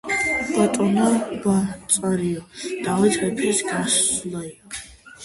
ბატონო ბაწარიო, დავით მეფეს გასწავლიო,